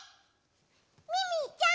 ミミィちゃん